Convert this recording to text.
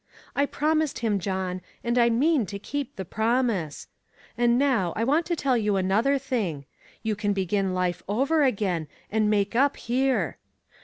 " I promised him, John, and I mean to keep the ' promise. And now, I want to tell you another thing: You can begin life over again, and make up here.